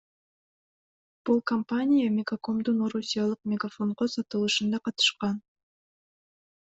Бул компания Мегакомдун орусиялык Мегафонго сатылышында катышкан.